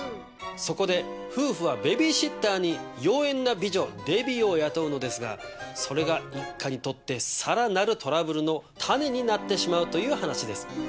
そこで夫婦はベビーシッターに妖艶な美女デビーを雇うのですがそれが一家にとってさらなるトラブルの種になってしまうという話です。